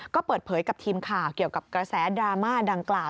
ก็เปิดเผยกับทีมข่าวเกี่ยวกับกระแสดราม่าดังกล่าว